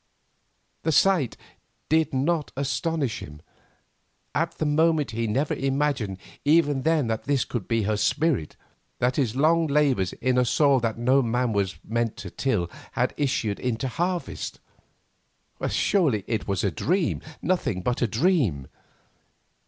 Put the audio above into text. The sight did not astonish him, at the moment he never imagined even then that this could be her spirit, that his long labours in a soil no man was meant to till had issued into harvest. Surely it was a dream, nothing but a dream.